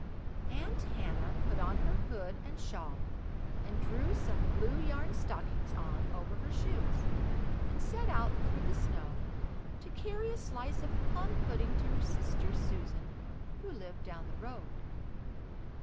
Aunt Hannah put on her hood and shawl, and drew some blue yarn stockings on over her shoes, and set out through the snow to carry a slice of plum pudding to her sister Susan, who lived down the road.